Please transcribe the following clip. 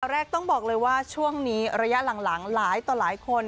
แรกต้องบอกเลยว่าช่วงนี้ระยะหลังหลายต่อหลายคน